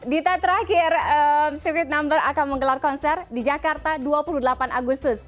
dita terakhir sivit number akan menggelar konser di jakarta dua puluh delapan agustus